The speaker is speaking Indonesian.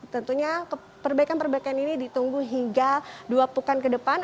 tentunya perbaikan perbaikan ini ditunggu hingga dua pekan ke depan